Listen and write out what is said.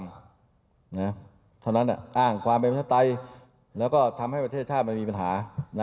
ข้อนั่นหมายถึงอ้างความเป็นประชาติแล้วก็ทำให้ประเทศช่ามันมีปัญหา